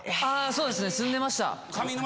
そうですね住んでました。